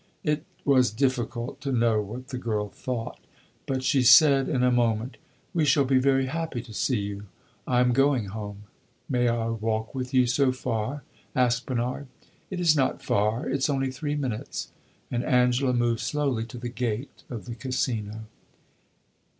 It was difficult to know what the girl thought; but she said, in a moment "We shall be very happy to see you. I am going home." "May I walk with you so far?" asked Bernard. "It is not far; it 's only three minutes." And Angela moved slowly to the gate of the Casino.